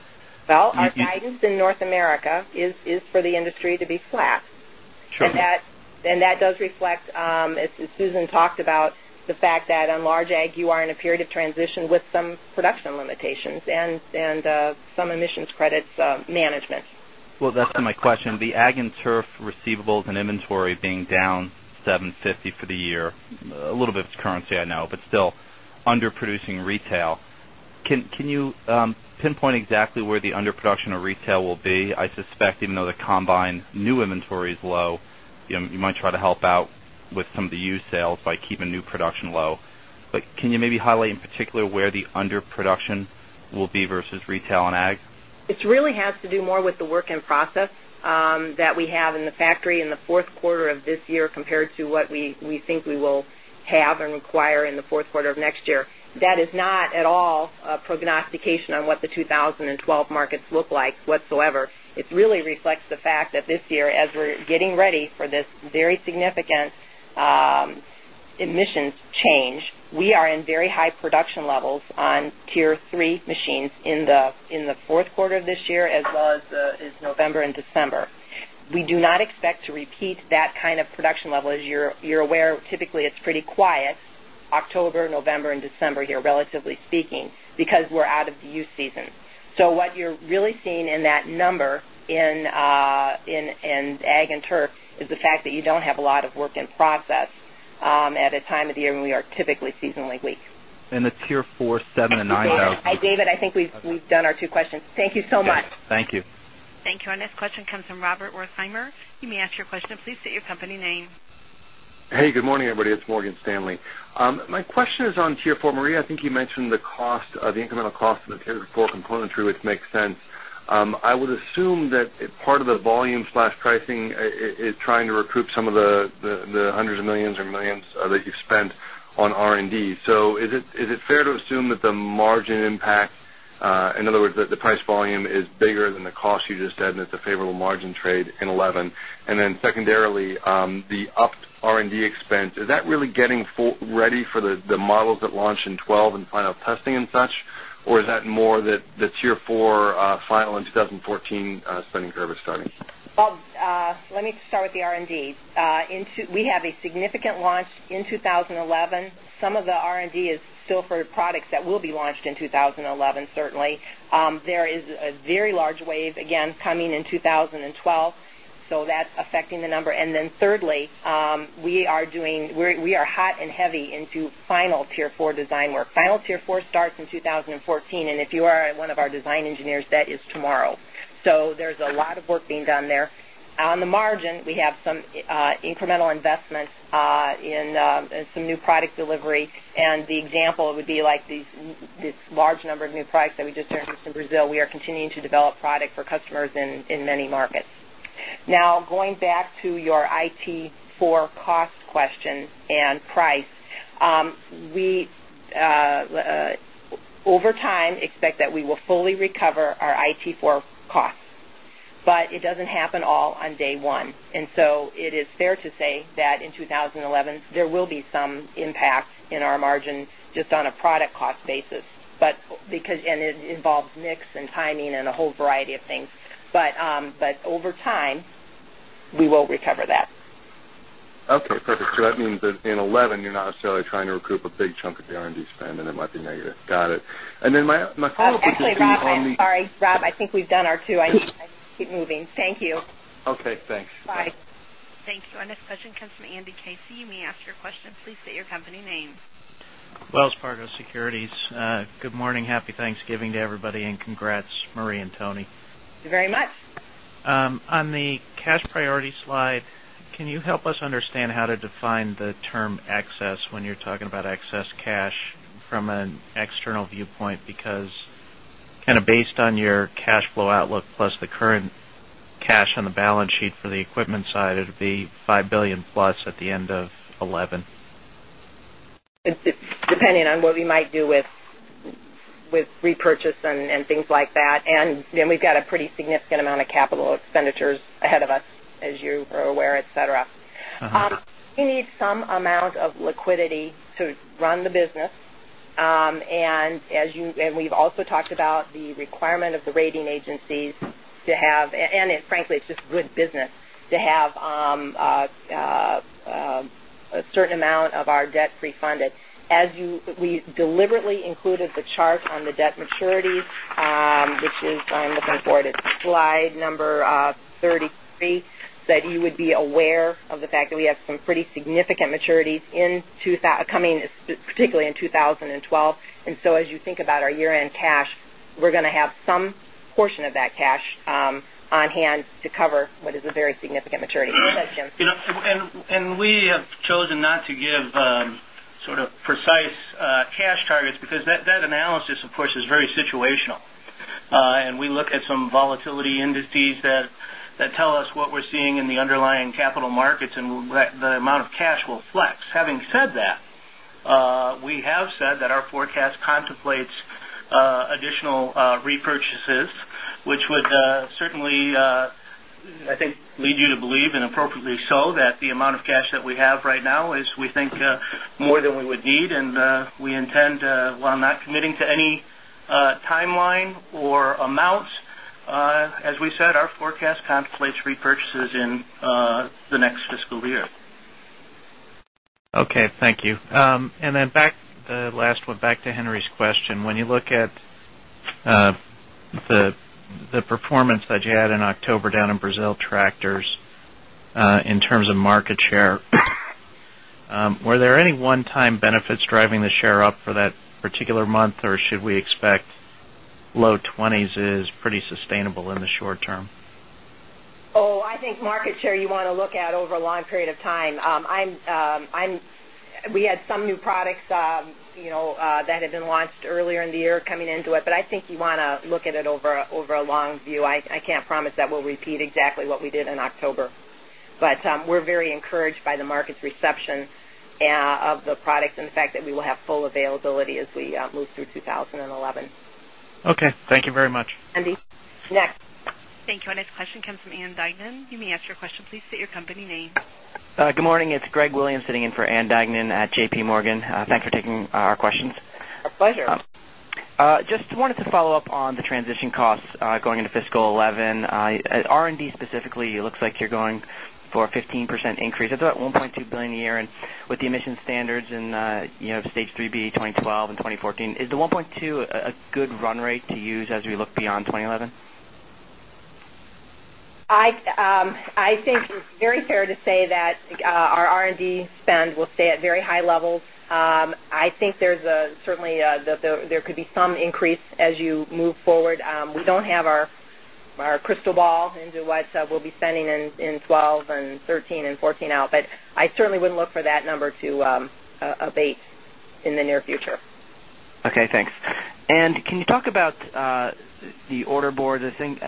Well, our guidance in North America is for the industry to be flat. And that does reflect, as Susan talked about, the fact that on large ag, you are in a period of transition with some production limitations and some emissions credits management. Well, that's been my question. The ag and turf receivables and inventory being down $750,000,000 for the year, a little bit of currency I know, but still under producing retail. Can you pinpoint exactly where the underproduction of retail will be? I suspect even though the combine new inventory is low, you might try to help out with some of the used sales by keeping new production low. But can you maybe highlight in particular where the underproduction will be versus retail and ag? It really has to do more with the work in process that we have in the factory in the Q4 of this year compared to what we think we will have and require in the Q4 of next year. That is not at all prognostication on what the 2012 markets look like whatsoever. It really reflects the fact that this year as we're getting ready for this very significant emissions change, we are in very high production levels on Tier 3 machines in the Q4 of this year as well as November December. We do not expect to repeat that kind of production level. As you're aware, typically it's pretty quiet October, November December here, relatively speaking, because we're out of the use season. So what you're really seeing in that number in ag and turf is the fact that you don't have a lot of work in process at a time of the year when we are typically seasonally weak. And the Tier 4, 7 and 9 though. David, I think we've done our 2 questions. Thank you so much. Thank you. Thank you. Our next question comes from Robert Wertheimer. You may ask your question. Please state your company name. Hey, good morning, everybody. It's Morgan Stanley. My question is on Tier 4. Marie, I think you mentioned the cost of the incremental cost of the Tier 4 componentry, which makes sense. I would assume part of the volumepricing is trying to recoup some of the 100 of 1,000,000 or 1,000,000 that you've spent on R and D. So is it fair to assume that the the margin impact, in other words, the price volume is bigger than the cost you just said and it's a favorable margin trade in 2011? And then secondarily, the upped R and D expense, is that really getting ready for the models that launch in 2012 and final testing and such? Or is that more the Tier 4 final in 2014 spending curve is starting? Well, let me start with the R and D. We have a significant launch in 2011. Some of the R and D is still for products that will be launched in 2011 certainly. There is a very large wave again coming in 2012. So that's affecting the number. And then thirdly, we are doing we are hot and heavy into final Tier 4 design work. Final Tier 4 starts in 2014. And if you are one of our design engineers, that is tomorrow. So there's a lot of work being done there. On the margin, we have some incremental investments in some new product delivery. And the example would be like this large number of new products that we just introduced in Brazil. We are continuing to develop product for customers in many markets. Now going back to your IT4 cost question and price, we over time expect that we will fully recover our IT4 costs. But it doesn't happen all on day 1. And so it is fair to say that in 2011, there will be some impact in our margin just on a product cost basis. But because and it involves mix and timing and a whole variety of things. But over time, we will spend and it might be negative. Got it. And then my follow-up question is on the I was actually, Rob, I think we've done our 2. I need to keep moving. Thank you. Okay. Thanks. Bye. Thank you. Our next question comes from Andy Casey. You may ask your question. Please state your company name. Wells Fargo Securities. Good morning. Happy Thanksgiving to everybody and congrats Marie and Toni. Thank you very much. On the cash external viewpoint because kind of based on your cash flow outlook plus the current cash on the balance sheet for the equipment side, it would be $5,000,000,000 plus at the end of $11,000,000 It's depending on what we might do with repurchase and things like that. And then we've got a pretty significant amount of capital amount of liquidity to run the business. And as you and we've also talked about the requirement of the rating agencies to have and frankly, it's just good business to have a certain amount of our debt refunded. We deliberately included the chart on the debt maturities, which is I'm looking forward to Slide 33, that you would be aware of the fact that we have some pretty significant maturities in coming particularly in 2012. And so as you think about our year end cash, we're going to have some portion of that cash on hand to cover what is a very significant maturity. And we have chosen not to give sort of precise cash targets because that analysis of course is very situational. And we look at some volatility indices that tell us what we're seeing in the underlying capital markets and the amount of cash will flex. Having said that, we have said that our forecast contemplates additional repurchases, which would certainly, I think, lead you to believe and appropriately so that the amount of cash that we have right now is we think more than we would need and we not committing to any timeline or amounts, as we said, our forecast contemplates repurchases in the next fiscal year. Okay. Thank you. And then back the last one back to Henry's question. When you look at the performance that you had in October down in Brazil tractors in terms of market share, were there any one time benefits driving the share up for that particular month or should we expect low 20s is pretty what we did in October. But we're very encouraged by the market's reception of the products and the fact that we will have full availability as we move through 2011. Okay. Thank you very much. Thank you. Our next question comes from Ann Duignan. You may ask your question please state your company name. Good morning. It's Greg Williams sitting in for Ann Duignan at JPMorgan. Thanks for taking our questions. Pleasure. Just wanted to follow-up on the transition costs going into fiscal 2011. R and D specifically, it looks like you're going for 15% increase, about $1,200,000,000 a year and with the emission standards in Stage 3b 2012 and 2014, is the $1,200,000,000 a good run rate to use as we look beyond 20 11? I think it's very fair to say that our R and D spend will stay at very high levels. I think there's certainly there could be some increase as you move forward. We don't have our crystal ball into what we'll be spending in 2012 and 2013 and 2014 out, but I certainly wouldn't look for that number to abate in the near future. Okay, Thanks. And can you talk about the order board? I think,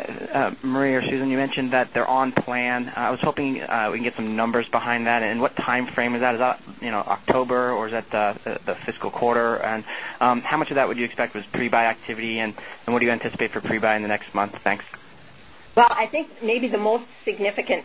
Marie or Susan, you mentioned that they're on plan. I was hoping we can get some numbers behind that. And what time frame is that? Is that October? Or is that the fiscal quarter? And how much of that would you expect was pre buy activity? And what do you anticipate for pre buy in the next month? Thanks. Well, I think maybe the most significant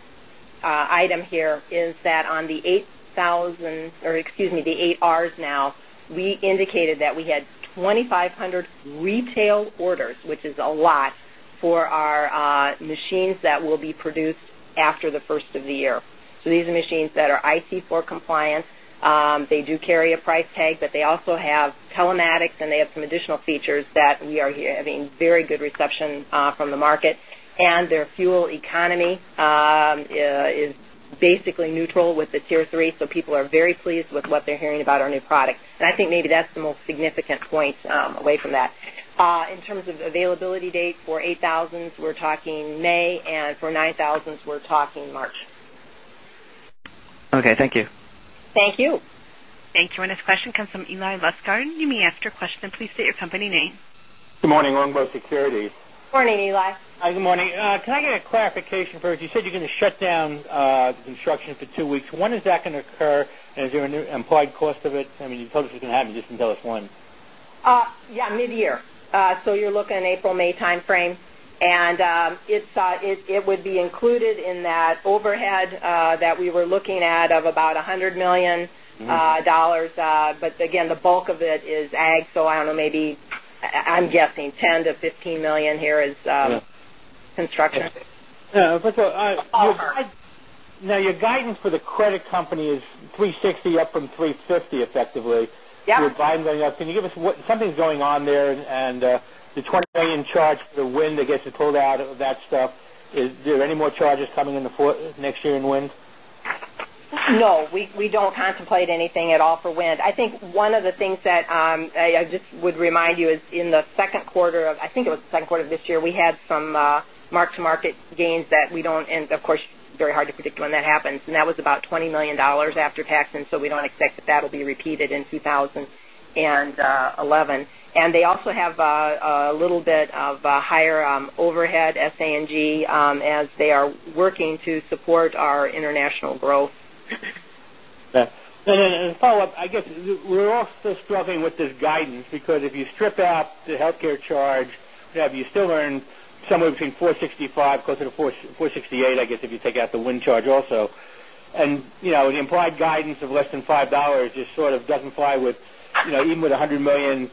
item here is that on the 8,000 or excuse me, the 8Rs now, we indicated that we had 2,500 retail orders, which is a lot for our machines that will be produced after the 1st of the year. So these are machines that are IC4 compliant. They do carry a price tag, they also have telematics and they have some additional features that we are having very good reception from the market. And their fuel I think maybe that's the most significant point away from that. In terms of I think maybe that's the most significant points away from that. In terms of availability date for 8000s, we're talking May and for 9000s, we're talking March. Okay. Thank you. Thank you. Thank you. Our next question comes from Eli Lusgaard. You may ask Please state your company name. Good morning, Longbow Securities. Good morning, Eli. Hi, good morning. Can I get a clarification first? You said you're going to shut down construction for 2 weeks. When is that going to occur? And is there a new implied cost of it? I mean, you told us what you're going to have, and you just can tell us when. Yes, midyear. So you're looking in April, May time frame. And it would be included in that overhead that we were looking at of about $100,000,000 But again, the bulk of it is ag. So I don't know maybe I'm guessing $10,000,000 to $15,000,000 here is construction. Yes. But so now your guidance for the credit company is $360,000,000 up from $350,000,000 effectively. You're buying going up. Can you give us what something's going on there? And the 20 $1,000,000 charge for the wind that gets pulled out of that stuff, is there any more charges coming in the next year in wind? No. We don't contemplate anything at all for wind. I think one of the things that I just would remind you is in the Q2 of I think it was the Q2 of this year, we had some mark to market gains that we don't and of course, very hard to predict when that happens. And that was about $20,000,000 after tax. And so we don't expect that that will be repeated in 20 11. And they also have a little bit of higher overhead, SANG, as they are working to support our international growth. And then a follow-up, I guess, we're also struggling with this guidance because if you strip out the health care charge, you still earn somewhere between $4.65 closer to $4.68 I guess if you take out the wind charge also. And the implied guidance of less than $5 just sort of doesn't fly with even with 100 and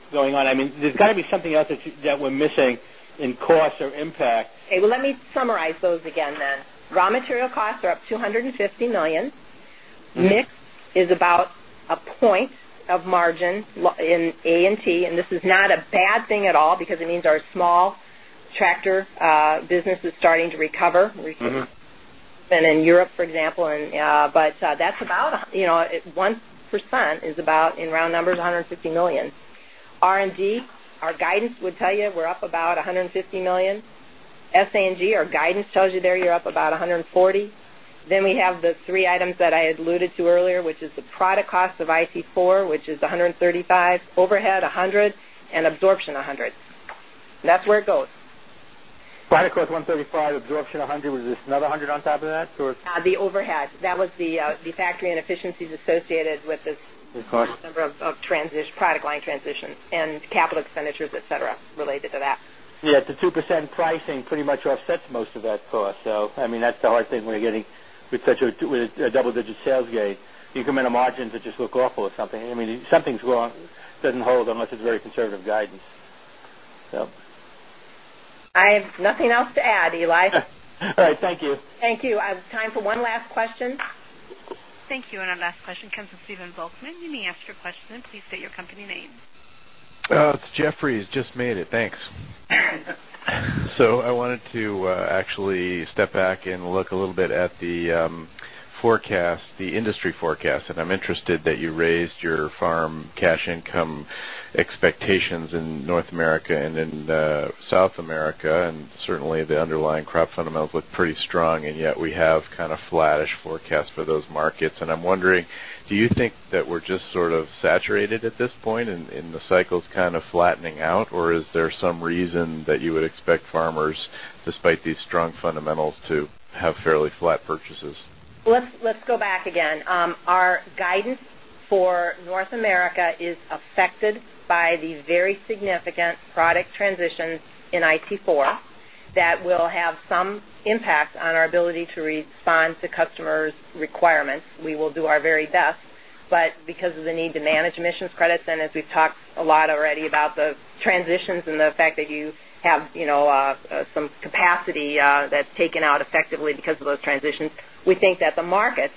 of margin in A and T and this is not a bad thing at all because it means our small tractor business is starting to recover. We've been in Europe, for example, but that's about 1% is about in round numbers $150,000,000 R and D, our guidance would tell you we're up about $150,000,000 S and G, our guidance Then we have the 3 items that I alluded to earlier, which is the product cost of IT4, which is 130 $5,000,000 overhead $100,000,000 and absorption $100,000,000 That's where it goes. Product cost $135,000,000 absorption $100,000,000 Was this another $100,000,000 on top of that? The overhead. That was the factory inefficiencies associated with this number of product line transitions and capital expenditures, etcetera, related to that. Yes. The 2% pricing pretty much offsets most of that cost. So I mean, that's the hard thing. We're getting with such a double digit sales gain, you come into margins that just look awful or something. I mean something's wrong, doesn't hold unless it's very conservative guidance. I have nothing else to add, Eli. All right. Thank you. Thank you. I have time for one last question. Thank you. And our last question comes from Steven Volkmann. You may ask your question and please state your company name. It's Jefferies. Just made it. Thanks. So I wanted to actually step back and look a little bit at the forecast, the industry forecast and I'm interested that you raised your farm cash income expectations in North America and in South America and certainly the underlying crop fundamentals fundamentals look pretty strong and yet we have kind of flattish forecast for those markets. And I'm wondering, do you think that we're just sort of saturated at this point and the cycles kind of flattening out? Or is there some reason that you would expect farmers despite these strong fundamentals to have fairly flat purchases? Let's go back again. Our guidance for North America is affected by the very significant product transitions in IT4 that will have some impact on our ability to respond to customers' requirements. We will do our very best. But because of the need to manage emissions credits and as we've talked a lot already about the transitions and the fact that you have some capacity that's taken out effectively because of those transitions. We think that the markets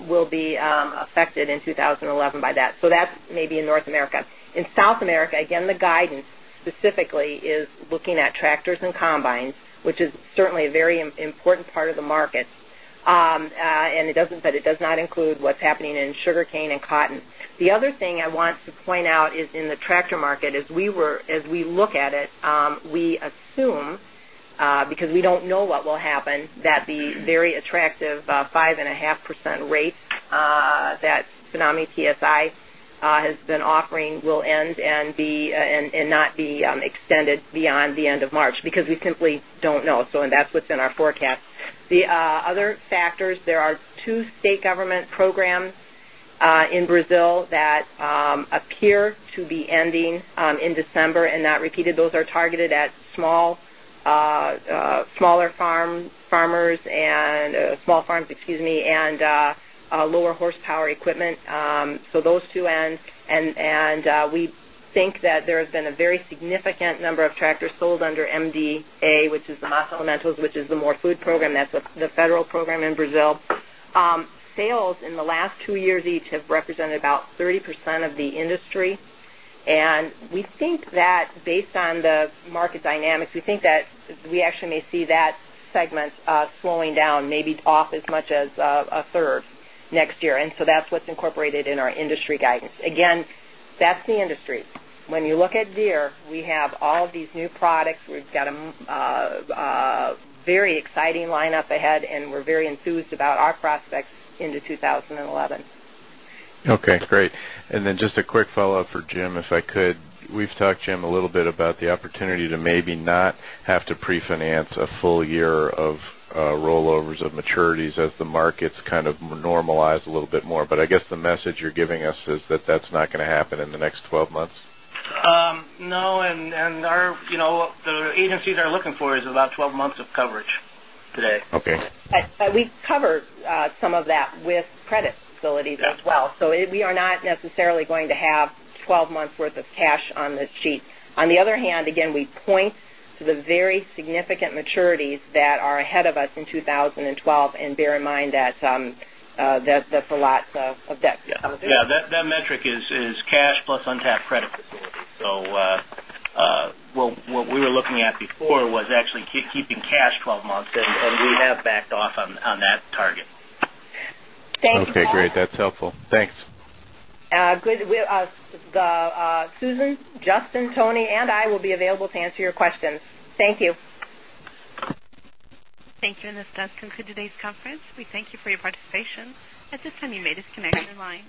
will be affected in 2011 by that. So that's maybe in North America. In South America, again, the guidance specifically is looking at tractors and combines, which is certainly a very important part of the market. And it doesn't but it does not include what's happening in sugarcane and The other thing I want to point out is in the tractor market as we were as we look at it, we assume, because we don't know what will happen that the very attractive 5.5% rate that tsunami PSI has been offering will end and not be extended beyond the end of March, because we simply don't know. So and that's what's in our forecast. The other factors, there are 2 state government programs in Brazil that appear to be ending in December and not repeated. Those are targeted at smaller farms farmers and small farms, excuse me, and lower horsepower equipment. So those two ends. And we think that there has been a very significant number of tractors sold under MDA, which is the hot elementals, which is the more food program, that's the federal program in Brazil. Sales in the last 2 years each have represented about 30% of the industry. And we think that based on the market dynamics, we think that we actually may see that segment slowing down, maybe off as much as a third next year. And so that's what's incorporated in our industry guidance. Again, that's the industry. When you look at Deere, we have all of these new products. We've got a very exciting lineup ahead and we're very enthused about our prospects into about our prospects into 2011. Okay, great. And then just a quick follow-up for Jim, if I could. We've talked, Jim, a little bit about the opportunity to maybe not have to pre finance a full year of rollovers of maturities as the kind of normalize a little bit more. But I guess the message you're giving us is that that's not going to happen in the next 12 months? No. And our agencies are looking for other very significant maturities that are ahead of us in 2012 and bear in mind that the Filatza of debt. Yes. That metric is cash plus untapped credit facility. So what we were looking at before was actually keeping cash 12 months and we have backed off on that target. Thank you. Okay, great. That's helpful. Thanks. Susan, Justin, Tony and I will be available to answer your questions. Thank you. Thank you. And this does conclude today's conference. We thank you for your participation. At this time, you may disconnect your lines.